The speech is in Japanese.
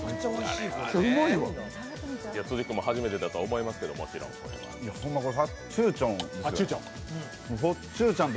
辻君も初めてだと思いますけれども、もちろん。